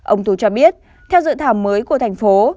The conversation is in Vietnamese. ông tú cho biết theo dự thảo mới của thành phố